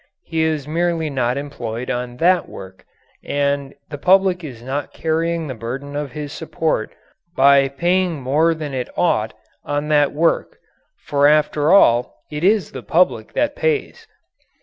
He is merely not employed on that work, and the public is not carrying the burden of his support by paying more than it ought on that work for after all, it is the public that pays!